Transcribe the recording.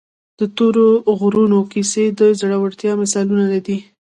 د تورې غرونو کیسې د زړورتیا مثالونه دي.